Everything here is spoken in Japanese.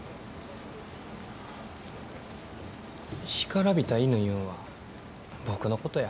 干からびた犬いうんは僕のことや。